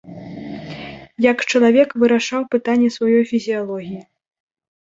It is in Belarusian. Як чалавек вырашаў пытанні сваёй фізіялогіі.